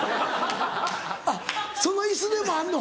あっその椅子でもあんの？